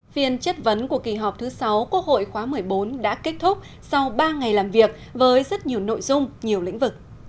phiên chất vấn của kỳ họp thứ sáu quốc hội khóa một mươi bốn đã kết thúc sau ba ngày làm việc với rất nhiều nội dung nhiều lĩnh vực